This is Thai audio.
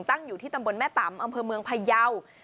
ตั้งอยู่ที่ตำบลแม่ตำอำเภอเมืองพยาว